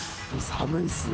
寒いっすね。